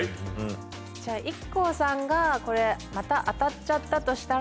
じゃあＩＫＫＯさんがこれまた当たっちゃったとしたら。